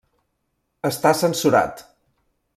Està censurat.